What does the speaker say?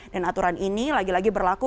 dan aturan ini lagi lagi berlaku